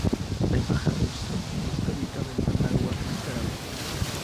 La Embajada de los Estados Unidos está ubicada en Managua, Nicaragua.